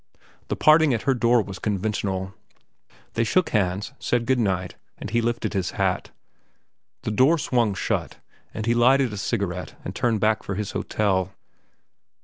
The parting at her door was conventional. They shook hands, said good night, and he lifted his hat. The door swung shut, and he lighted a cigarette and turned back for his hotel.